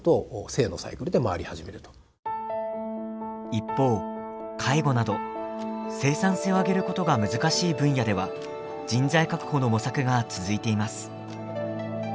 一方介護など生産性を上げることが難しい分野では人材確保の模索が続いています。